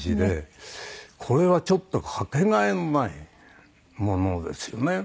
これはちょっと掛け替えのないものですよね。